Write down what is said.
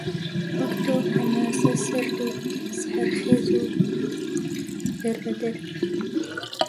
وەک تۆ هەناسەسەرد و سەحەرخێز و دەربەدەر